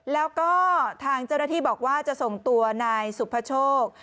แล้วก็ทางเจ้าหน้าที่บอกว่าจะส่งตัวนายสุภโชค